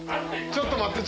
ちょっと待って。